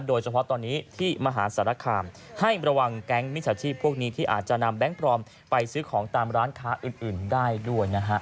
โดยเฉพาะตอนนี้ที่มหาสารคามให้ระวังแก๊งมิจฉาชีพพวกนี้ที่อาจจะนำแบงค์ปลอมไปซื้อของตามร้านค้าอื่นได้ด้วยนะฮะ